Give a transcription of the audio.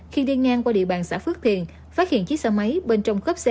khi đi ngang qua địa bàn xã phước thiền phát hiện chiếc xe máy bên trong cấp xe